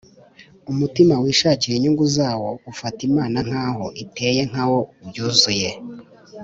umutima wishakira inyungu zawo ufata imana nk’aho iteye nka wo byuzuye